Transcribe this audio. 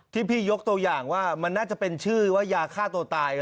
ที่พี่ยกตัวอย่างว่ามันน่าจะเป็นชื่อว่ายาฆ่าตัวตาย